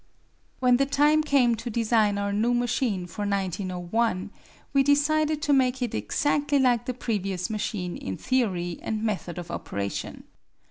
When the time came to design our new machine for 1901 we decided to make it exactly like the previous machine in theory and method of operation.